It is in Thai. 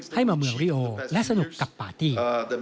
ให้มาเมืองริโอและสนุกกับปาร์ตี้